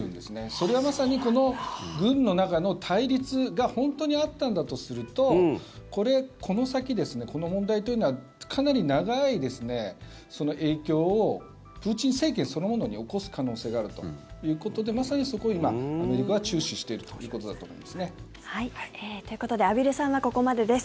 それはまさにこの軍の中の対立が本当にあったんだとするとこれ、この先この問題というのはかなり長い影響をプーチン政権そのものに起こす可能性があるということでまさにそこを今、アメリカは注視しているということだと思いますね。ということで畔蒜さんはここまでです。